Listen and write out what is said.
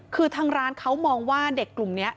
คือทางร้านเขามองว่าเด็กกลุ่มนี้